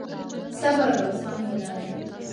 صبر او زغم ولرئ.